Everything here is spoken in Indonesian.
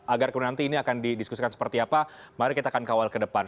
agar nanti ini akan didiskusikan seperti apa mari kita akan kawal ke depan